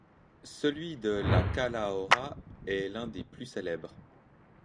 Celui de La Calahorra est l'un des plus célèbres.